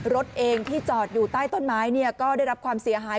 รถเองที่จอดอยู่ใต้ต้นไม้เนี่ยก็ได้รับความเสียหาย